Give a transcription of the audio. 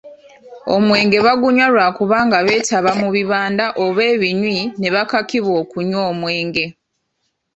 Omwenge bagunywa lwa kubanga beetaba mu bibanda oba ebinywi ne bakakibwa okunywa omwenge.